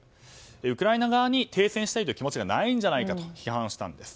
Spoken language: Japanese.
ウクライナ側に停戦したいという気持ちがないんじゃないかと批判したんです。